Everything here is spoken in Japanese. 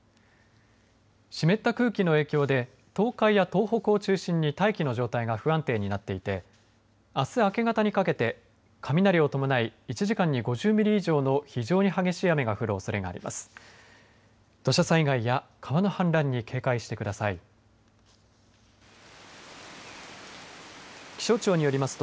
湿った空気の影響で東海や東北を中心に大気の状態が不安定になっていてあす明け方にかけて雷を伴い１時間に５０ミリ以上の非常に激しい雨が降るおそれがあります。